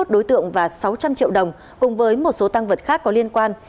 hai mươi đối tượng và sáu trăm linh triệu đồng cùng với một số tăng vật khác có liên quan